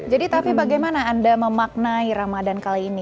jadi tapi bagaimana anda memaknai ramadhan kali ini